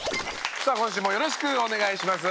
さあ今週もよろしくお願いします。